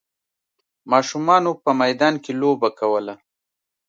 ماشومانو په میدان کې لوبه کوله.